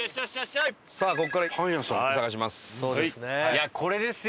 いやこれですよ。